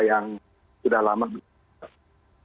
jadi kita sudah lama belum tahu